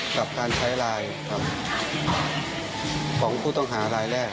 กับการใช้ไลน์ครับของผู้ต้องหาไลน์แรก